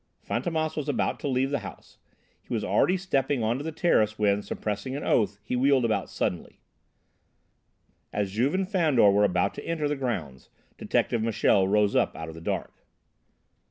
Fantômas was about to leave the house. He was already stepping onto the terrace when, suppressing an oath, he wheeled about suddenly. As Juve and Fandor were about to enter the grounds, Detective Michel rose up out of the dusk.